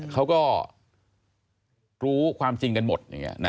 เขาก็รู้ความจริงกันหมด